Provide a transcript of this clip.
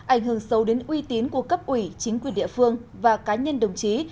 ảnh hưởng sâu đến uy tín của cấp ủy chính quyền địa phương và cá nhân đồng chí